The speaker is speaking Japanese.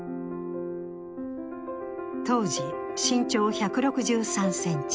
当時、身長１６３ｃｍ。